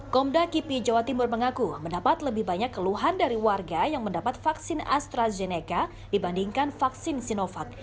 komda kipi jawa timur mengaku mendapat lebih banyak keluhan dari warga yang mendapat vaksin astrazeneca dibandingkan vaksin sinovac